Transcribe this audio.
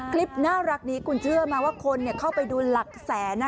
คลิปน่ารักนี้คุณเชื่อไหมว่าคนเข้าไปดูหลักแสน